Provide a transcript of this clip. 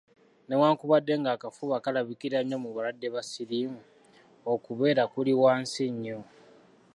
Newankubadde ng’akafuba kalabikira nnyo mu balwadde ba siriimu, okubeera kuli wansi nnyo.